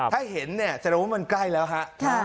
ถ้าเห็นเนี่ยแสดงว่ามันใกล้แล้วฮะ